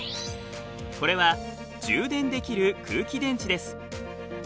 これは充電できる空気電池です。